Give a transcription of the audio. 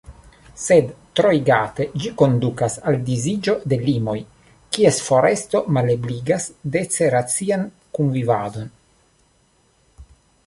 Sed, troigate, ĝi kondukas al disiĝo de limoj, kies foresto malebligas dece racian kunvivadon.